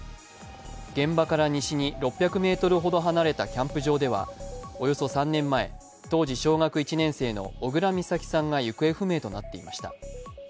現場から西に６００ｍほど離れたキャンプ場ではおよそ３年前当時小学１年生の小倉美咲さんが行方不明となっていました。